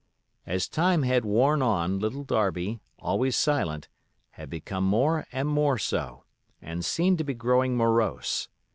As time had worn on, Little Darby, always silent, had become more and more so, and seemed to be growing morose.